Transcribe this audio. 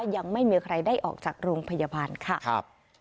ยังไม่มีใครได้ออกจากโรงพยาบาลค่ะ